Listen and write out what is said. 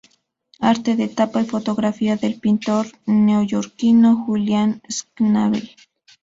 Arte de tapa y fotografía del pintor neoyorquino Julian Schnabel.